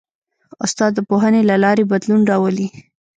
استاد د پوهنې له لارې بدلون راولي.